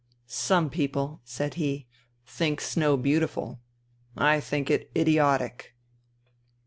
" Some people," said he, " think snow beautiful. I think it idiotic."